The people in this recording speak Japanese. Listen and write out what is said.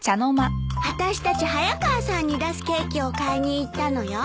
あたしたち早川さんに出すケーキを買いに行ったのよ。